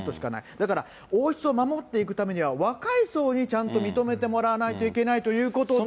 だから王室を守っていくためには、若い層にちゃんと認めてもらわないといけないということで。